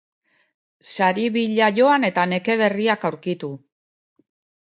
Sari bila joan eta neke berriak aurkitu.